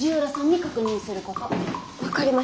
分かりました。